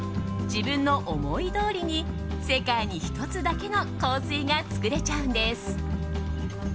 自分の思いどおりに世界に１つだけの香水が作れちゃうんです。